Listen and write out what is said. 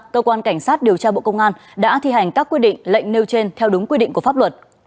cơ quan cảnh sát điều tra bộ công an đã thi hành các quy định lệnh nêu trên theo đúng quy định của pháp luật